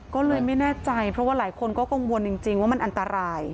ก็เลยไม่แน่ใจเพราะว่าหลายคนก็กังวลจริงว่ามันอันตราย